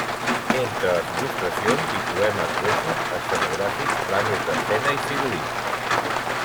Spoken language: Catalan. Entre les il·lustracions hi trobem esbossos escenogràfics, plànols d'escena i figurins.